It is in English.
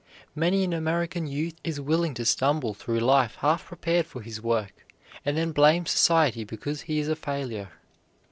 Many an American youth is willing to stumble through life half prepared for his work, and then blame society because he is a failure.